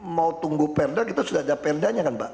mau tunggu perda kita sudah ada perdanya kan mbak